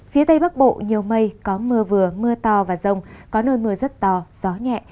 phía tây bắc bộ nhiều mây có mưa vừa mưa to và rông có nơi mưa rất to gió nhẹ